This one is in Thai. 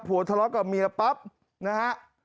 ทะเลาะกับเมียปั๊บนะฮะ